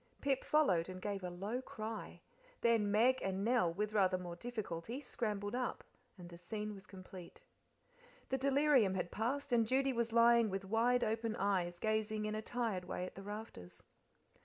Pip followed, and gave a low cry; then Meg and Nell, with rather more difficulty, scrambled up, and the scene was complete. The delirium had passed, and Judy was lying with wide open eyes gazing in a tired way at the rafters.